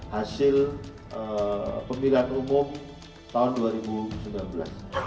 hasil pemilihan umum tahun dua ribu sembilan belas